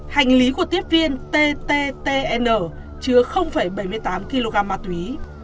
hành lý của tiếp viên ttn chứa bảy mươi tám kg ma túy